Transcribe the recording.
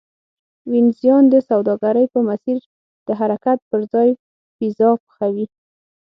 وینزیان د سوداګرۍ په مسیر د حرکت پرځای پیزا پخوي